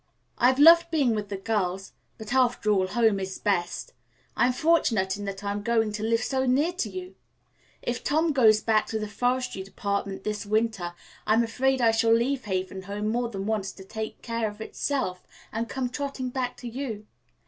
"I've loved being with the girls; but, after all, home is best. I'm fortunate in that I am going to live so near to you. If Tom goes back to the Forestry Department this winter, I'm afraid I shall leave Haven Home more than once to take care of itself and come trotting back to you.